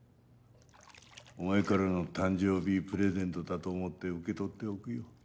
お前からの誕生日プレゼントだと思って受け取っておくよ。